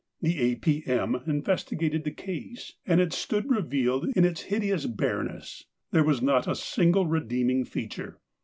The A. P.M. investigated the case, and it stood revealed in its hideous bareness. There was not a single redeeming feature.